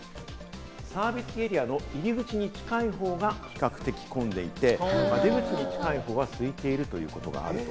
で、サービスエリアの入口に近い方が比較的混んでいて、出口に近い方は空いているということがある。